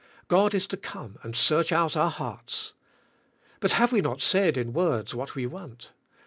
God is to come and search out our hearts. But have we not said in words what we want.